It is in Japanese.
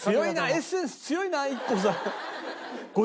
エッセンス強いなＩＫＫＯさん。